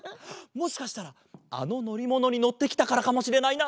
もしかしたらあののりものにのってきたからかもしれないな。